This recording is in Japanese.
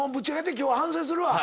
今日反省するわ。